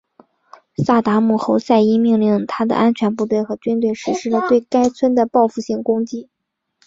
萨达姆侯赛因命令他的安全部队和军队实施了对该村的报复性攻击。